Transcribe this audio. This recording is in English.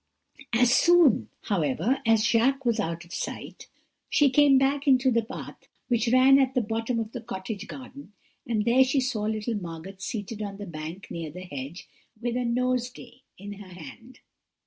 "As soon, however, as Jacques was out of sight, she came back into the path which ran at the bottom of the cottage garden, and there she saw little Margot seated on the bank under the hedge, with a nosegay in her hand.